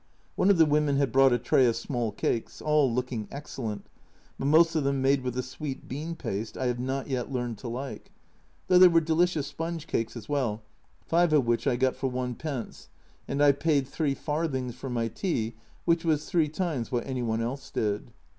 One of the women had brought a tray of small cakes, all looking excellent, but most of them made with the sweet bean paste I have not yet learned to like, A Journal from Japan 53 though there were delicious sponge cakes as well, five of which I got for id. and I paid three farthings for my tea, which was three times what any one else did.